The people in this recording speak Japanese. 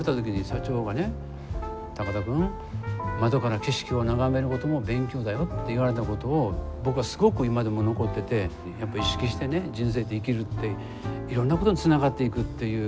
田君窓から景色を眺めることも勉強だよって言われたことを僕はすごく今でも残っててやっぱり意識してね人生って生きるっていろんなことにつながっていくっていう。